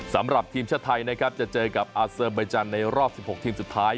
สำหรับทีมชาวไทยนะครับจะเจอกับอาซาจิมไบจานในรอบ๑๖ทีมสุดท้าย